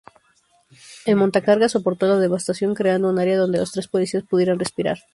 El montacargas soportó la devastación, creando un área donde los tres policías pudieran respirar.